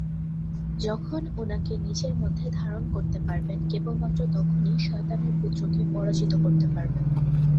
যখন উনাকে নিজের মধ্যে ধারণ করতে পারবেন কেবলমাত্র তখনই শয়তানের পুত্রকে পরাজিত করতে পারবেন!